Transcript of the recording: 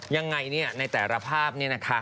ยังไงเนี่ยในแต่ละภาพเนี่ยนะคะ